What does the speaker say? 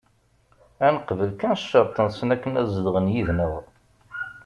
Ad neqbel kan ccerṭ-nsen akken ad zedɣen yid-neɣ.